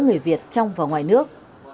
người việt trong và ngoài nước